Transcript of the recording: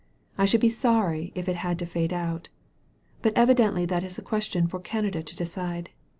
I should be sorry if it had to fade out. But evidently that is a question for Canada to decide.